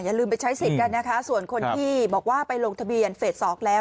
ลืมไปใช้สิทธิ์กันนะคะส่วนคนที่บอกว่าไปลงทะเบียนเฟส๒แล้ว